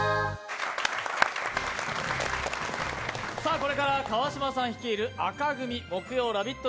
これから川島さん率いる赤組・木曜ラヴィット！